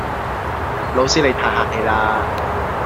老師你太客氣啦